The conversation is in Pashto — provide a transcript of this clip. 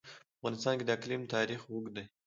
په افغانستان کې د اقلیم تاریخ اوږد دی.